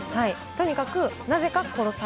とにかくなぜか殺される。